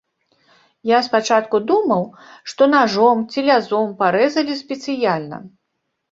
Я спачатку думаў, што нажом ці лязом парэзалі спецыяльна.